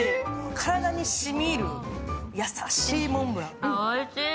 体に染み入る、優しいモンブラン。